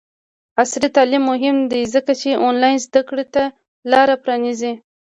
عصري تعلیم مهم دی ځکه چې آنلاین زدکړې ته لاره پرانیزي.